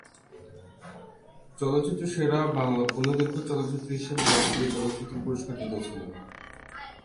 চলচ্চিত্র সেরা বাংলা পূর্ণদৈর্ঘ্য চলচ্চিত্র হিসেবে জাতীয় চলচ্চিত্র পুরস্কার জিতেছিল।